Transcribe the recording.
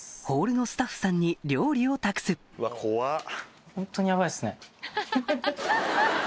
ホールのスタッフさんに料理を託すうわ怖っ！